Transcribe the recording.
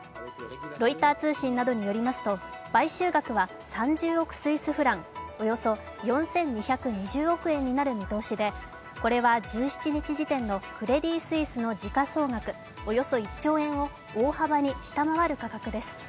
ロイター通信などによりますと買収額は３０億スイスフラン、およそ４２２０億円になる見通しでこれは１７日時点のクレディ・スイスの時価総額、およそ１兆円を大幅に下回る価格です。